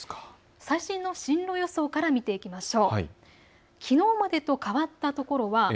最新の進路予想から見ていきましょう。